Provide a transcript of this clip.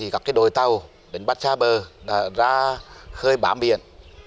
các đồi tàu đỉnh bắt xa bờ đã ra khơi bám biển